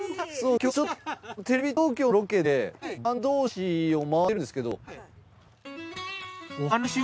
今日テレビ東京のロケで坂東市をまわってるんですけど。